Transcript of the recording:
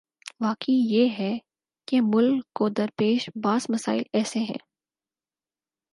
واقعہ یہ ہے کہ ملک کو درپیش بعض مسائل ایسے ہیں۔